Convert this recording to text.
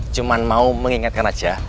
cuman mau mengingatkan aja